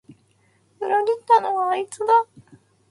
裏切ったのはあいつだ